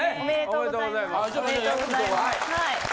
はい！